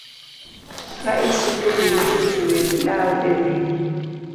Ka isuko wiyi to twe law ewiyi